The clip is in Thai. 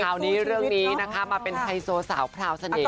คราวนี้เรื่องนี้นะคะมาเป็นไฮโซสาวพราวเสน่ห